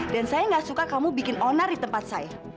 saya gak suka kamu bikin onar di tempat saya